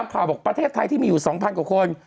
เมื่อประเทศไทยที่มีอยู่๒๐๐๐กว่าคน